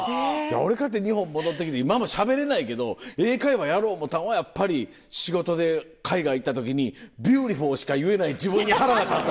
俺かて日本戻って来て今もしゃべれないけど英会話やろう思うたんはやっぱり仕事で海外行った時に「ビューティフォー」しか言えない自分に腹が立ったの。